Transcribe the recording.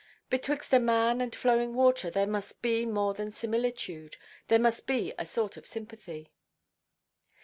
Betwixt a man and flowing water there must be more than similitude, there must be a sort of sympathy."